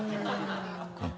うん。